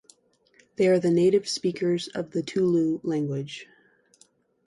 They are the native speakers of the Tulu language.